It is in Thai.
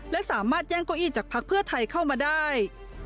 และสามารถแย่งเก้าอี้จากพักเพื่อไทยเข้ามาได้